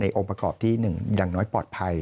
องค์ประกอบที่๑อย่างน้อยปลอดภัย